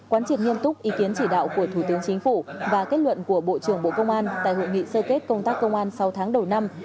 quán triệt nghiêm túc ý kiến chỉ đạo của thủ tướng chính phủ và kết luận của bộ trưởng bộ công an tại hội nghị sơ kết công tác công an sáu tháng đầu năm